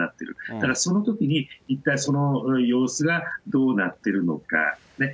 だからそのときに、一回その様子がどうなってるのか。